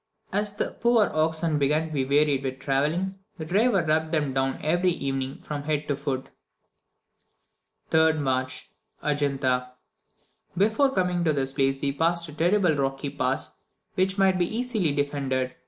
As the poor oxen began to be wearied with travelling, the driver rubbed them down every evening from head to foot. 3rd March. Adjunta. Before coming to this place we passed a terrible rocky pass which might be easily defended.